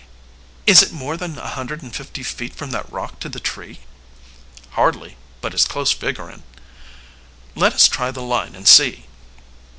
"Is it more than a hundred and fifty feet from that rock to the tree?" "Hardly; but it's close figuring." "Let us try the line and see."